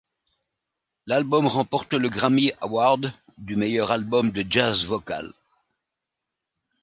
L'album remporte le Grammy Award du meilleur album de jazz vocal.